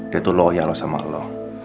dia tuh loyal sama lo